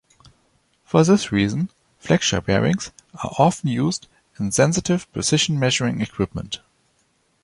For this reason, flexure bearings are often used in sensitive precision measuring equipment.